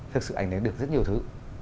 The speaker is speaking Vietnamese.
thực sự ảnh này được rất nhiều thứ